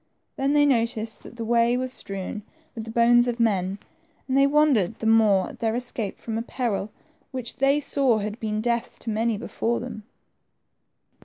Then they noticed that the way was strewn with the bones of men, and they wondered the more at their escape from a peril which they saw had been death to many before them.